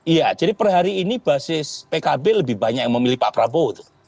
iya jadi per hari ini basis pkb lebih banyak yang memilih pak prabowo